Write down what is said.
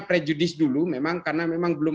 prejudis dulu memang karena memang belum